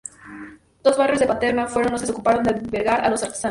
Dos barrios de Paterna fueron lo que se ocuparon de albergar a los artesanos.